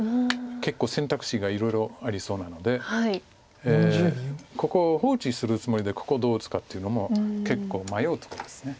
結構選択肢がいろいろありそうなのでここ放置するつもりでここどう打つかっていうのも結構迷うところです。